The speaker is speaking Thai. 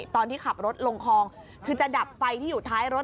ตอนที่ขับรถลงคลองคือจะดับไฟที่อยู่ท้ายรถ